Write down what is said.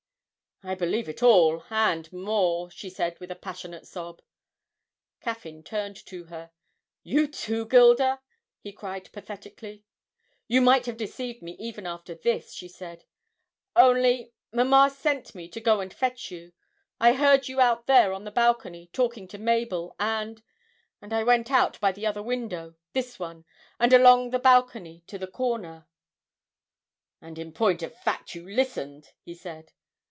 'I believe it all and more!' she said with a passionate sob. Caffyn turned to her. 'You too, Gilda!' he cried pathetically. 'You might have deceived me even after this,' she said, 'only mamma sent me to go and fetch you I heard you out there on the balcony, talking to Mabel, and and I went out by the other window, this one, and along the balcony to the corner ' 'And, in point of fact, you listened!' he said.